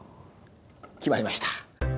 決まりました。